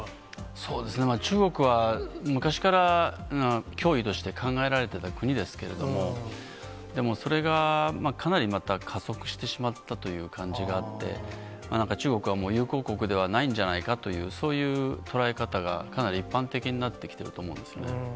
そうですね、中国は昔から脅威として考えられてた国ですけれども、でもそれが、かなりまた加速してしまったという感じがあって、なんか、中国はもう友好国ではないんじゃないかというそういう捉え方が、かなり一般的になってきていると思うんですね。